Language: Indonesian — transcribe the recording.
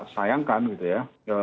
sayangkan gitu ya